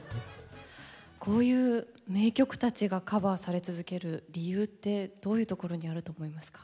こういう名曲たちがカバーされ続ける理由ってどういうところにあると思いますか？